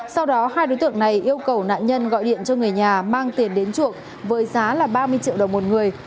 sau đó hai đối tượng này yêu cầu nạn nhân gọi điện cho người nhà mang tiền đến chuộng với giá là ba mươi triệu đồng một người